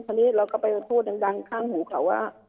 ทีนี้เราก็ไปพูดดังข้างหูเขาว่า